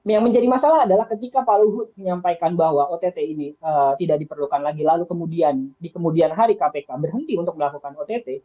yang menjadi masalah adalah ketika pak luhut menyampaikan bahwa ott ini tidak diperlukan lagi lalu kemudian di kemudian hari kpk berhenti untuk melakukan ott